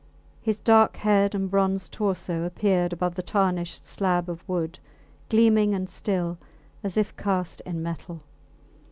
His dark head and bronze torso appeared above the tarnished slab of wood, gleaming and still as if cast in metal.